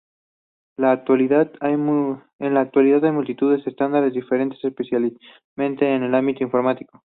En la actualidad hay multitud de estándares diferentes, especialmente en el ámbito informático.